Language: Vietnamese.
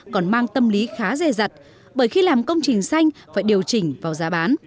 còn mang tâm lý khá dề dặt bởi khi làm công trình xanh phải điều chỉnh vào giá bán